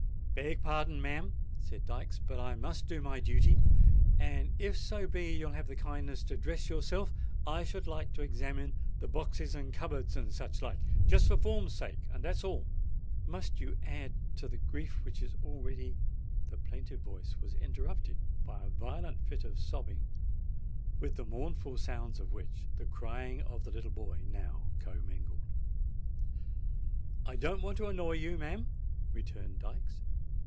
"Beg pardon, ma'am," said Dykes; "but I must do my duty; and if so be you'll have the kindness to dress yourself, I should like to examine the boxes and cupboards, and such like—just for form's sake, and that's all." "Must you thus add to the grief which is already——" The plaintive voice was interrupted by a violent fit of sobbing, with the mournful sounds of which the crying of the little boy now commingled. "I don't want to annoy you, ma'am," returned Dykes.